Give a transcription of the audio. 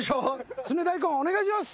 スネ大根お願いします。